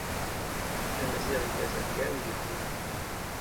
ⴰⵎⴰⵣⵉⵖ ⵉⴳⴰⵜ ⴰⴼⴳⴰⵏ ⵉⵍⴻⵍⵍⵉⵏ.